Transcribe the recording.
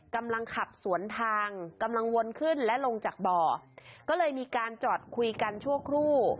กำลังขับสวนทางกำลังวนขึ้นและลงจากบ่อก็เลยมีการจอดคุยกันชั่วครู่